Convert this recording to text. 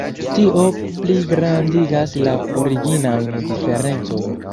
Tio pligrandigas la originajn diferencojn.